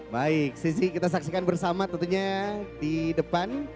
baik sisi kita saksikan bersama tentunya di depan